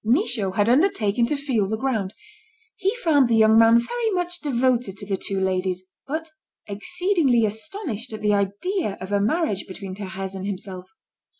Michaud had undertaken to feel the ground. He found the young man very much devoted to the two ladies, but exceedingly astonished at the idea of a marriage between Thérèse and himself.